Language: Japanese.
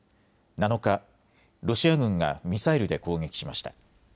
７日、ロシア軍がミサイルで攻撃しました。